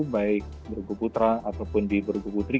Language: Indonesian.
baik bergu putra ataupun di bergu putri